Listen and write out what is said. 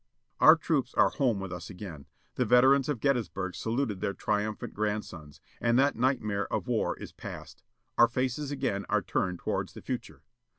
Oiu: troops are home with us again. The veterans of Gettysburg saluted their triumphant grandsons. And that nightmare of war is passed. Our faces again are turned towards the future.